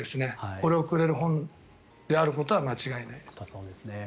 これをくれる本であることは間違いないです。